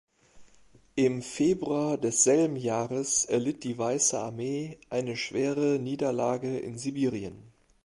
Im Februar desselben Jahres erlitt die Weiße Armee eine schwere Niederlage in Sibirien.